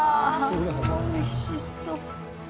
おいしそう。